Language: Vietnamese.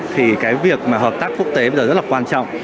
thì cái việc mà hợp tác quốc tế bây giờ rất là quan trọng